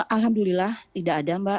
alhamdulillah tidak ada mbak